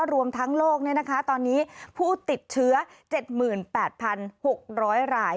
รวมทั้งโลกเนี่ยนะคะตอนนี้ผู้ติดเชื้อ๗๘๖๐๐ราย